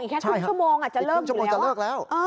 อีกแค่๓ชั่วโมงอาจจะเริ่มอยู่แล้วใช่ค่ะอีก๓ชั่วโมงจะเลิกแล้ว